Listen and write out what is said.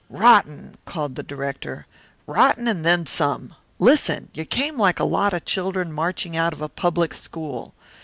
"Rotten!" called the director. "Rotten and then some. Listen. You came like a lot of children marching out of a public school.